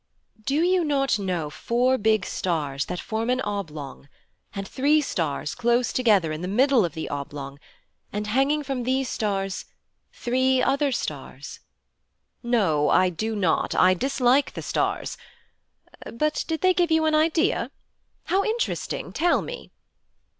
'Do you not know four big stars that form an oblong, and three stars close together in the middle of the oblong, and hanging from these stars, three other stars?' 'No, I do not. I dislike the stars. But did they give you an idea? How interesting; tell me.'